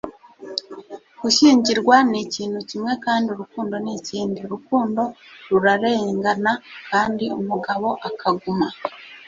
Gushyingirwa ni ikintu kimwe kandi urukundo ni ikindi. Urukundo rurarengana kandi umugabo akaguma.